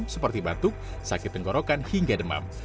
seperti batuk sakit tenggorokan hingga demam